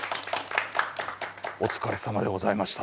お疲れさまでございました。